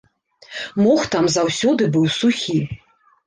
Мох там заўсёды быў сухі.